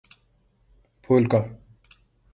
پھول کا